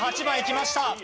８番いきました。